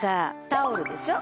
タオルでしょ。